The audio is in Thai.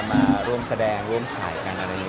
มาร่วมแสดงร่วมถ่ายกันอะไรอย่างนี้